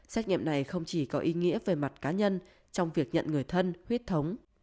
xét nghiệm này không chỉ có ý nghĩa về mặt cá nhân trong việc nhận người thân huyết thống